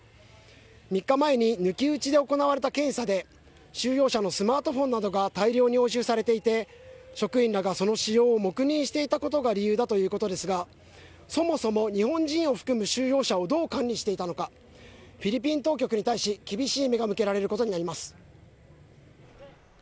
３日前に抜き打ちで行われた検査で収容者のスマートフォンなどが大量に押収されていて、職員らがその使用を黙認していたことが理由だということですがそもそも日本人を含む収容者をどう管理していたのか、フィリピン当局に対し、厳しい目が向けられることになります。